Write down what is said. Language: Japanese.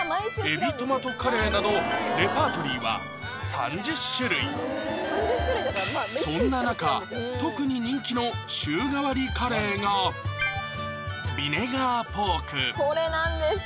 エビトマトカレーなどレパートリーは３０種類そんな中特に人気の週替わりカレーがこれなんです！